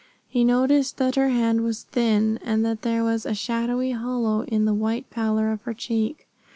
He noticed that her hand was thin, and that there was a shadowy hollow in the white pallor of her cheek.